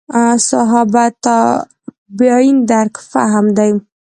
صحابه تابعین درک مهم دي.